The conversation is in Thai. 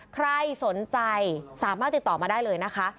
ใครสนใจสามารถติดต่อมาได้เลยนะคะ